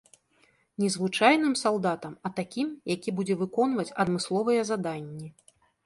Не звычайным салдатам, а такім, які будзе выконваць адмысловыя заданні.